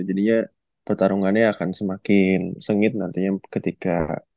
jadinya pertarungannya akan semakin sengit nantinya ketika